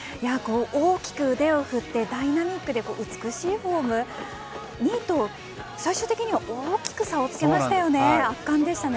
大きく腕を振ってダイナミックに美しいフォーム２位と最終的に大きく差をつけましたよね。